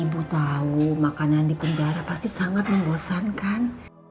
ibu tau makanan di penjara pasti sangat membosankan